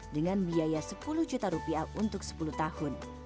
dengan biaya sepuluh juta rupiah untuk sepuluh tahun